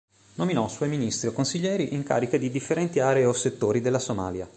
Nominò suoi ministri o consiglieri in cariche di differenti aree o settori della Somalia.